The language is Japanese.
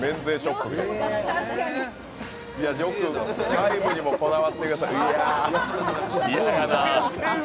細部にもこだわってください。